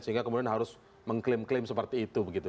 sehingga kemudian harus mengklaim klaim seperti itu begitu